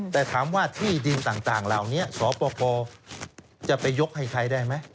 แต่ถามว่าที่ดินต่างเหล่านี้สปกรจะไปยกให้ใครได้ไหม